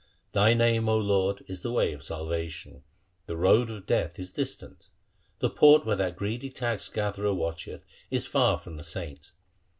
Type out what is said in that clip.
Thy name, 0 Lord, is the way of salvation ; the road of Death is distant. The port where that greedy tax gatherer watcheth Is far from the saint.